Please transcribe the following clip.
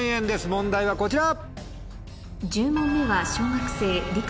問題はこちら！